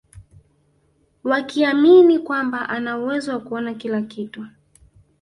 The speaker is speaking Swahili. Wakiamini kwamba ana uwezo wa kuona kila kitu